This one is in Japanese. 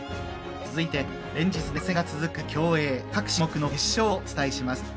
続いて、連日熱戦が続く競泳各種目の決勝をお伝えします。